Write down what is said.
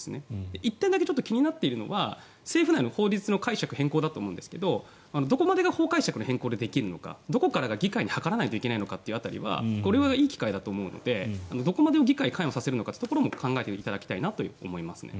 １点だけ気になっているのは政府内の法律解釈の変更だと思うんですがどこまでが法解釈の変更でできるのかどこからが議会に諮らないといけないのかというのはこれはいい機会だと思うのでどこまで議会を関与させるのかも検討してほしいと思います。